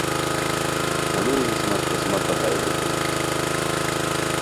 ہنون ہیس مہ قسمتہ ہائے ریتائے